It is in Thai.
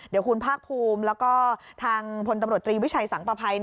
เดี๋ยวคุณภาคภูมิแล้วก็ทางพลตำรวจตรีวิชัยสังประภัย